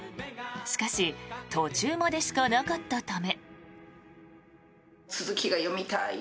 しかし途中までしかなかったため。